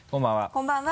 こんばんは。